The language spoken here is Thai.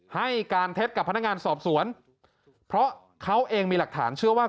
ให้การเท็จกับพนักงานสอบสวนเพราะเขาเองมีหลักฐานเชื่อว่า